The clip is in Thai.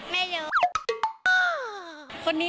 ไม่รู้